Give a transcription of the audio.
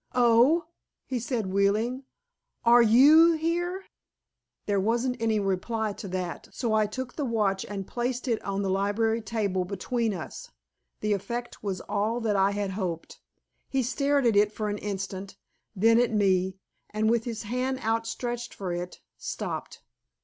"Oh!" he said wheeling. "Are YOU here?" There wasn't any reply to that, so I took the watch and placed it on the library table between us. The effect was all that I had hoped. He stared at it for an instant, then at me, and with his hand outstretched for it, stopped.